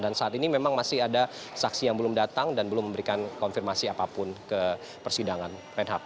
dan saat ini memang masih ada saksi yang belum datang dan belum memberikan konfirmasi apapun ke persidangan